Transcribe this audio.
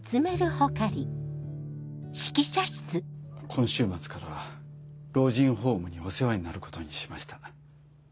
今週末から老人ホームにお世話になることにしました。